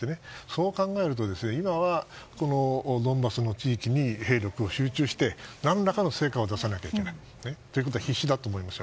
そう考えると今はドンバスの地域に兵力を集中して何らかの成果を出さなきゃいけない。ということで必死だと思います。